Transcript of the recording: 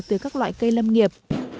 từ các loại cây lâm nghiệp